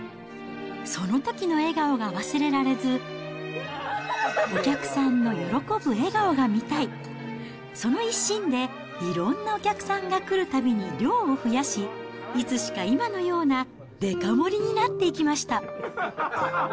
そのときの笑顔が忘れられず、お客さんの喜ぶ笑顔が見たい、その一心で、いろんなお客さんが来るたびに量を増やし、いつしか今のようなデカ盛りになっていきました。